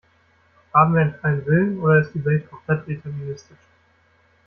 Haben wir einen freien Willen oder ist die Welt komplett deterministisch?